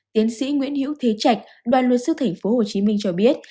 tiến sĩ nguyễn hữu thế trạch đoàn luật sức tp hcm cho biết